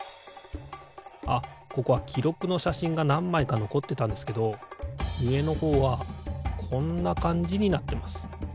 あここはきろくのしゃしんがなんまいかのこってたんですけどうえのほうはこんなかんじになってます。